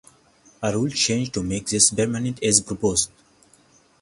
A rule change to make this permanent is proposed.